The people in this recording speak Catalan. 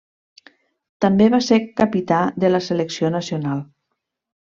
També va ser el capità de la selecció nacional.